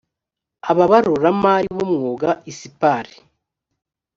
ababaruramari b umwuga icpar